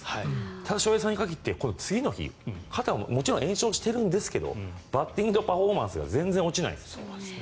ただ、翔平さんに限って次の日、肩はもちろん炎症しているんですがバッティングパフォーマンスが全然落ちないんです。